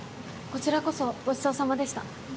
こちらこそごちそうさまでした。